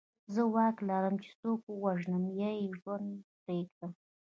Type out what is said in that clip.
زه واک لرم چې څوک ووژنم یا یې ژوندی پرېږدم